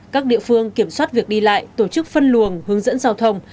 các địa phương kiểm soát việc đi lại tổ chức phân luồng hướng dẫn giao thông